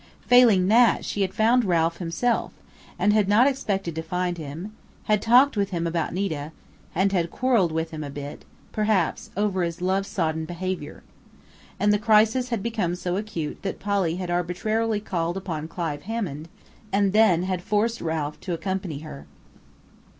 Failing that, she had found Ralph himself, and had not expected to find him; had talked with him about Nita, and had quarreled a bit with him, perhaps, over his love sodden behavior. And the crisis had become so acute that Polly had arbitrarily called upon Clive Hammond and then had forced Ralph to accompany her.